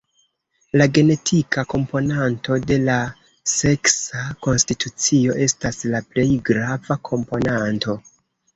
La genetika komponanto de la seksa konstitucio estas la plej grava komponanto.